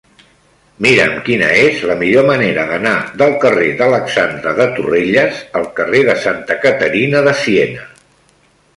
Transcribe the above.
Mira'm quina és la millor manera d'anar del carrer d'Alexandre de Torrelles al carrer de Santa Caterina de Siena.